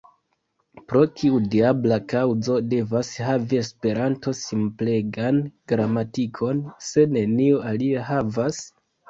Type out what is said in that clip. Pro kiu diabla kaŭzo devas havi Esperanto simplegan gramatikon, se neniu alia havas?